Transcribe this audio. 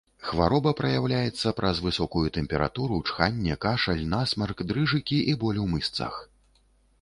Хвароба праяўляецца праз высокую тэмпературу, чханне, кашаль, насмарк, дрыжыкі і боль у мышцах.